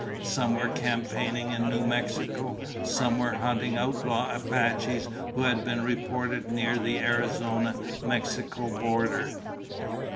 Some were campaigning in New Mexico. Some were hunting outlaw Apaches who had been reported near the Arizona Mexico border.